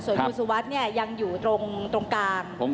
ส่วนคุณสุวัสดิ์เนี่ยยังอยู่ตรงกลาง